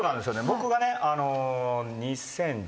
僕がね。